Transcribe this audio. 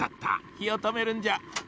ひをとめるんじゃ。